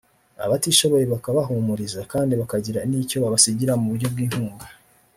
abatishoboye bakabahumuriza kandi bakagira n’icyo babasigira mu buryo bw’inkunga